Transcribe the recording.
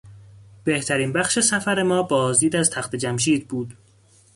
بهترین بخش سفر ما بازدید از تخت جمشید بود.